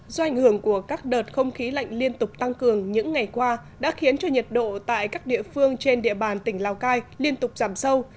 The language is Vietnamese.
do ảnh hưởng của các đợt không khí lạnh liên tục tăng cường những ngày qua đã khiến cho nhiệt độ tại các địa phương trên địa bàn tỉnh lào cai liên tục giảm sâu